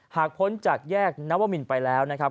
หากผลจากแยกนัววมินไปแล้วนะครับ